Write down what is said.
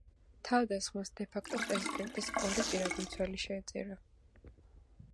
თავდასხმას დე ფაქტო პრეზიდენტის ორი პირადი მცველი შეეწირა.